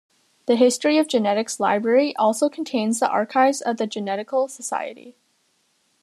The History of Genetics library also contains the archives of the Genetical Society.